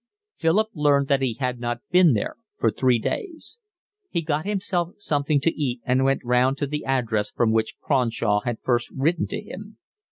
Philip learned that he had not been there for three days. He got himself something to eat and went round to the address from which Cronshaw had first written to him.